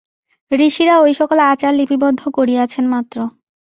ঋষিরা ঐ সকল আচার লিপিবদ্ধ করিয়াছেন মাত্র।